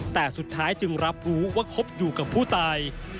แต่สุดท้ายจึงรับรู้ว่าคบอยู่กับผู้ตาย